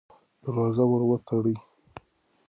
دروازه ورو وتړئ.